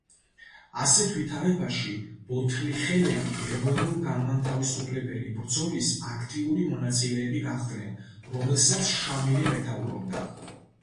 ასეთ ვითარებაში ბოთლიხელები ეროვნულ-განმათავისუფლებელი ბრძოლის აქტიური მონაწილეები გახდნენ, რომლესაც შამილი მეთაურობდა.